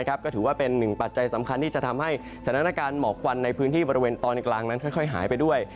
ก็ถือว่าเป็นหนึ่งปัจจัยสำคัญที่จะทำให้สถานการณ์หมอกควันในพื้นที่บริเวณตอนกลางนั้นค่อยหายไปด้วย